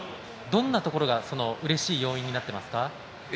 どんなところがうれしい要因になってますか？